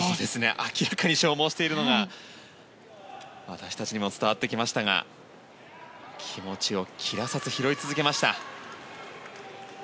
明らかに消耗しているのが私たちにも伝わってきましたが気持ちを切らさず拾い続けました。